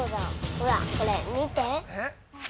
ほら、これ見て。